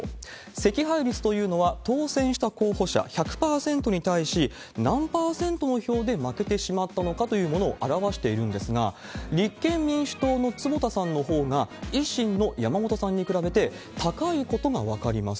惜敗率というのは、当選した候補者１００％に対し、何％の票で負けてしまったのかというものを表しているんですが、立憲民主党の坪田さんのほうが、維新の山本さんに比べて高いことが分かります。